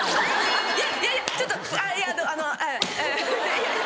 いやいやいやちょっといやあのあぁ。